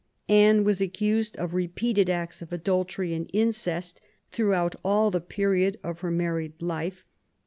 Anne was accused of repeated acts of adultery and incest, throughout all the period of her married life.